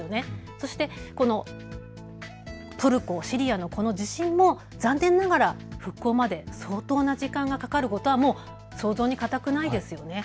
そして、トルコ、シリアのこの地震も残念ながら復興まで相当な時間がかかることは想像に難くないですよね。